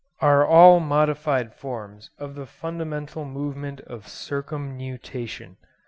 are all modified forms of the fundamental movement of circumnutation.